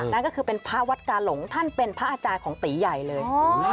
นั่นก็คือเป็นพระวัดกาหลงท่านเป็นพระอาจารย์ของตีใหญ่เลย